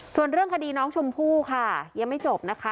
ส่วนเรื่องคดีน้องชมพู่ค่ะยังไม่จบนะคะ